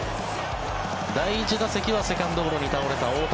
第１打席はセカンドゴロに倒れた大谷。